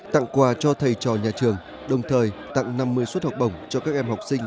tặng quà cho thầy trò nhà trường đồng thời tặng năm mươi suất học bổng cho các em học sinh